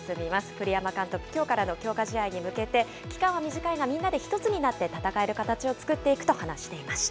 栗山監督、きょうからの強化試合に向けて、期間は短いがみんなで一つになって戦える形を作っていくと、話していました。